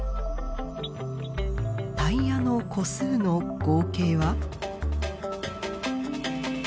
タイヤの個数の合計は？